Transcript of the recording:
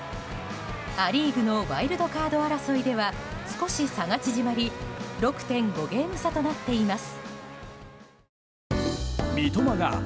ア・リーグのワイルドカード争いでは少し差が縮まり６．５ゲーム差となっています。